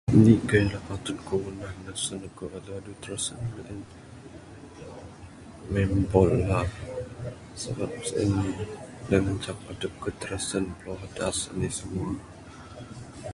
Inik kayuh da patut aku ngunah ne sen aku adu adu tirasen mbuh en...main bol la sabab sien ngancak adep aku tirasen piluah adas anih simua.